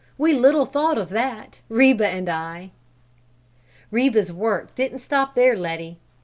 We little thought of that, Reba and I!" "Reba's work didn't stop there, Letty!